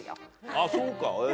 あっそうかへぇ。